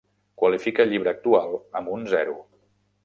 Qualifica el llibre actual amb un zero